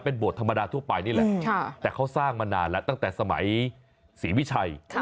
โบสถธรรมดาทั่วไปนี่แหละแต่เขาสร้างมานานแล้วตั้งแต่สมัยศรีวิชัย